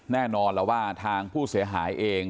แน่นอนแล้วว่าทางผู้เสียหายเอง